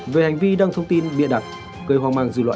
về hành vi đăng thông tin bịa đặt gây hoang mang dư luận